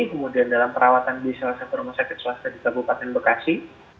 kemudian dalam perawatan di salah satu rumah sakit swasta di kabupaten bekasi